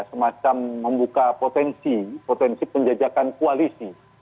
semacam membuka potensi potensi penjajakan koalisi